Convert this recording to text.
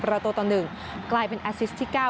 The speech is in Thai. ประตูต่อหนึ่งกลายเป็นอัซิสที่เก้า